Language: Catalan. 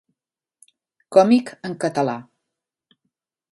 Còmic en català.